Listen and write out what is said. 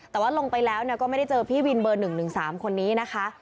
แต่ว่าลงไปแล้วก็ไม่ได้เจอพี่วินเบอร์๑๑๓คนนี้นะคะ